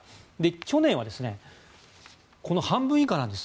去年はこの半分以下なんです。